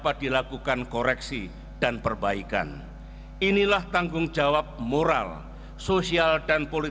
terima kasih pak jokowi